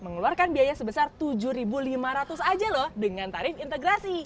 mengeluarkan biaya sebesar tujuh lima ratus aja loh dengan tarif integrasi